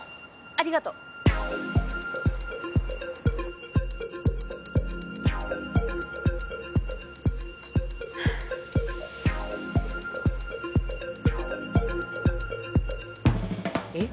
ありがとう。えっ？